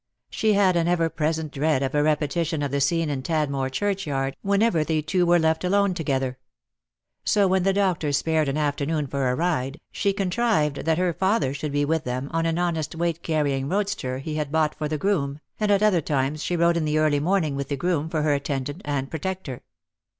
She had an ever present dread of a repetition of the scene in Tadmor churchyard whenever they two were left alone together. So when the doctor spared an afternoon for a ride, she contrived that her father should be with them on an honest weight carrying roadster he had bought for the groom, and at other times she rode in the early morning with the groom for her attendant and protector.